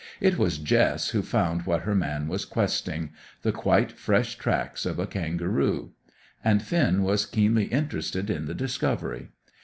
It was Jess who found what her man was questing: the quite fresh tracks of a kangaroo; and Finn was keenly interested in the discovery.